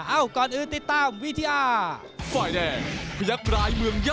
เอ้าก่อนอื่นติดตามวิทยา